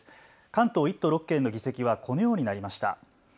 関東１都６県の議席はこのようになりました。